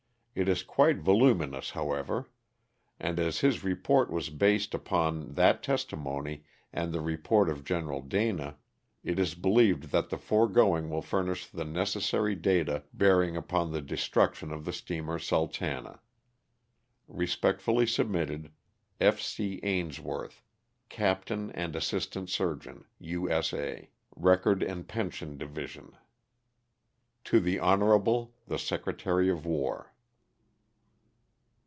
It is quite voluminous, however, and as h.U report was based upon that testimony and the rep jrt of General Dana, it is believed that the foregoing will furnish the necessary data bearing upon the destruction of the steamer "Sultana." Respectfully submitted, F. C. AINSWORTH, Captain and Assistant Surgeon, U. S. A. Record and Pension Division. To the Honorable, the Secretary of War.